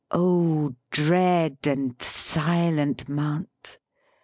dread and silent Mount!